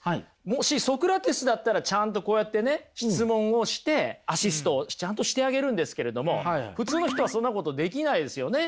もしソクラテスだったらちゃんとこうやってね質問をしてアシストをちゃんとしてあげるんですけれども普通の人はそんなことできないですよね。